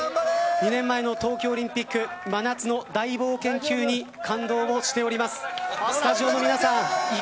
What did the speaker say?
２年前の東京オリンピック真夏の大冒険級に感動しております。